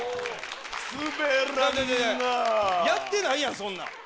やってないやんそんなん。